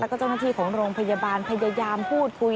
แล้วก็เจ้าหน้าที่ของโรงพยาบาลพยายามพูดคุย